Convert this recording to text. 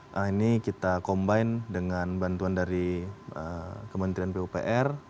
nah ini kita combine dengan bantuan dari kementerian pupr